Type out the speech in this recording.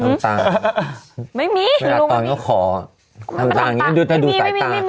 น้ำตาไม่มีเวลาตอนก็ขอน้ำตาอย่างนี้ดูถ้าดูสายตา